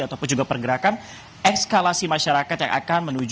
ataupun juga pergerakan eskalasi masyarakat yang akan menuju